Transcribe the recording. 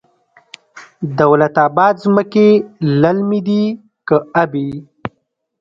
دولت اباد ځمکې للمي دي که ابي؟